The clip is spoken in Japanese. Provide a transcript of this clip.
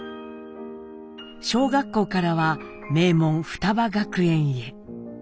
小学校からは名門雙葉学園へ。